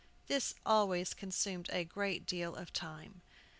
This always consumed a great deal of time.